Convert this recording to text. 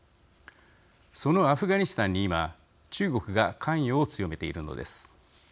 そのアフガニスタンに今中国が関与を強めているのです。